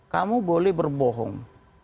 kamu boleh berbohong